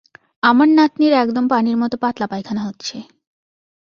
আমার নাতনির একদম পানির মত পাতলা পায়খানা হচ্ছে।